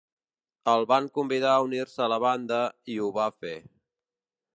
El van convidar a unir-se a la banda i ho va fer.